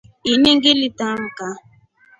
Ini ngilitamka.